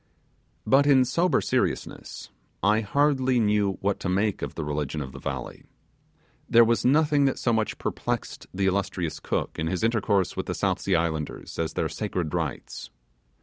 But in sober seriousness, I hardly knew what to make of the religion of the valley. There was nothing that so much perplexed the illustrious Cook, in his intercourse with the South Sea islanders, as their sacred rites.